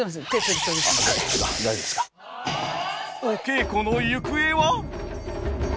お稽古の行方は？